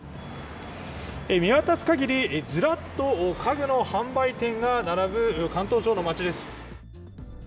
見渡すかぎりずらっと家具の販売店が並ぶ広東省の街です。